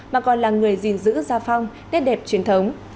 mà còn là người gìn giữ gia phong nét đẹp truyền thống